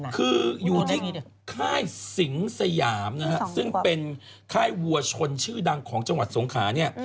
คืออยู่ที่ค่ายสิงสยามนะฮะซึ่งเป็นค่ายวัวชนชื่อดังของจังหวัดสงขาเนี่ย